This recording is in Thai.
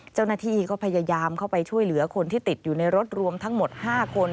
เจ้าหน้าที่ก็พยายามเข้าไปช่วยเหลือคนที่ติดอยู่ในรถรวมทั้งหมด๕คน